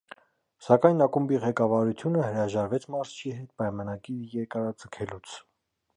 Սակայն ակումբի ղեկավարությունը հրաժարվեց մարզչի հետ պայմանագիրը երկարաձգելուց։